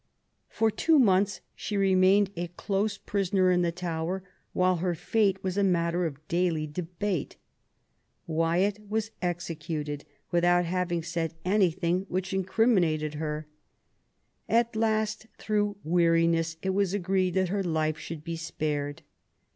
For two months she remained a close prisoner in the Tower, while her fate was a matter of daily debate. Wyatt was executed, 'without having said anything which incriminated her. At last, through weariness, it was agreed that her life should be spared.